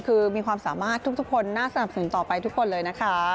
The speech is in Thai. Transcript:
คือมีความสามารถทุกคนน่าสนับสนุนต่อไปทุกคนเลยนะคะ